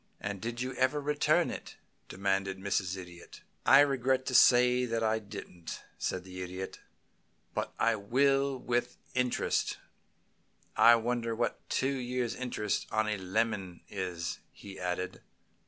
"And did you ever return it?" demanded Mrs. Idiot. "I regret to say that I didn't," said the Idiot. "But I will, and with interest. I wonder what two years' interest on a lemon is!" he added.